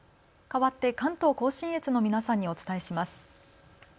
かわって関東甲信越の皆さんにお伝えします。